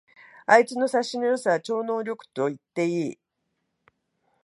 あいつの察しの良さは超能力と言っていい